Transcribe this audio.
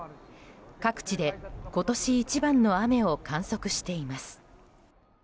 各地で今年一番の雨を観測しています。